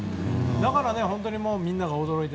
だから、本当にみんなが驚いて。